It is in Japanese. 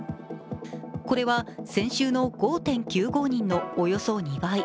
これは先週の５．９５人のおよそ２倍。